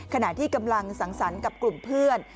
คะหน่ี่ที่กำลังสั่งสรรกกับกลุ่มเพื่อน